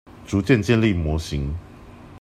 逐漸建立模型